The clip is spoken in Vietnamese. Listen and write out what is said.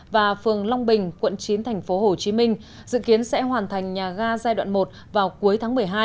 và phường long bình quận chín tp hcm dự kiến sẽ hoàn thành nhà ga giai đoạn một vào cuối tháng một mươi hai